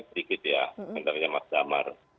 sedikit ya entarnya mas jamar